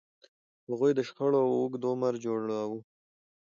هغوی د شخړو اوږد عمر جوړاوه.